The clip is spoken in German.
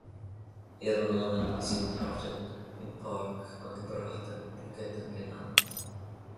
Ihre Namen sind auf den im Park angebrachten Plaketten genannt.